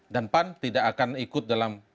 dan pan tidak akan ikut dalam